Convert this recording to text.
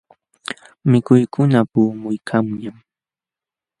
Mikuykuna puqumuykanñam.